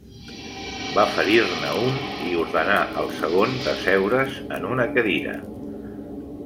Va ferir-ne un i ordenà al segon d'asseure's en una cadira.